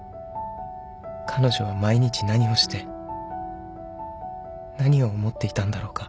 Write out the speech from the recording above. ［彼女は毎日何をして何を思っていたんだろうか？］